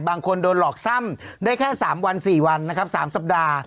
บางคนโดนหลอกซ่ำได้แค่๓๔วันสามสัปดาห์